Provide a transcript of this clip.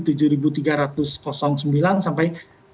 di tujuh ribu tiga ratus sembilan sampai tujuh ribu tiga ratus lima puluh